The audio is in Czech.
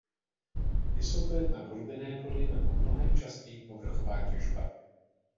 Jsou to jednak hlubinné doly nebo mnohem častěji povrchová těžba.